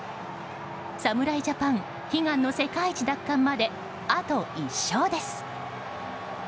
侍ジャパン悲願の世界一奪還まであと１勝です。